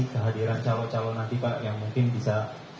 kehadiran calon calon nanti pak yang mungkin bisa